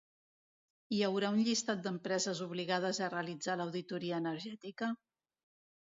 Hi haurà un llistat d'empreses obligades a realitzar l'auditoria energètica?